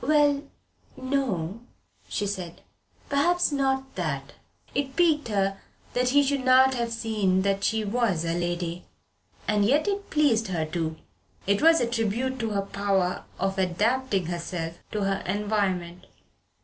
"Well, no," she said, "perhaps not that." It piqued her that he should not have seen that she was a lady and yet it pleased her too. It was a tribute to her power of adapting herself to her environment.